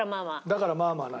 「だからまあまあ」何？